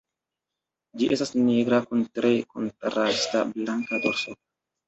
Ĝi estas nigra kun tre kontrasta blanka dorso.